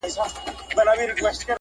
د ډیلي تخت هیرومه چې را یاد کړم